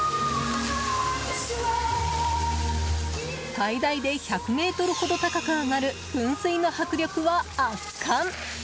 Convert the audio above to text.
最大で１００ｍほど高く上がる噴水の迫力は圧巻。